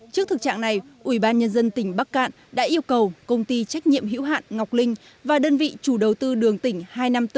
trước thực trạng này ủy ban nhân dân tỉnh bắc cạn đã yêu cầu công ty trách nhiệm hữu hạn ngọc linh và đơn vị chủ đầu tư đường tỉnh hai trăm năm mươi bốn